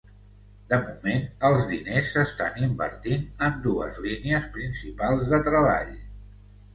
De moment els diners s’estan invertint en dues línies principals de treball.